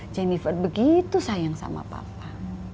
jennifer begitu sayang sama papa